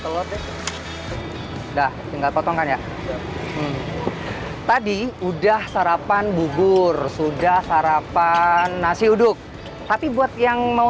udah udah potongannya tadi udah sarapan bubur sudah sarapan nasi uduk tapi buat yang mau